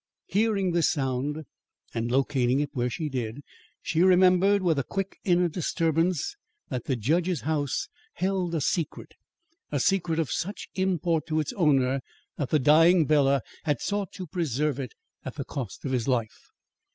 Hearing this sound and locating it where she did, she remembered, with a quick inner disturbance, that the judge's house held a secret; a secret of such import to its owner that the dying Bela had sought to preserve it at the cost of his life.